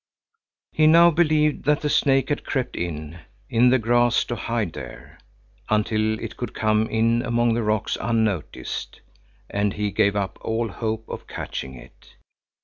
He now believed that the snake had crept in, in the grass to hide there, until it could come in among the rocks unnoticed, and he gave up all hope of catching it.